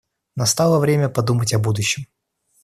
Настало время подумать о будущем.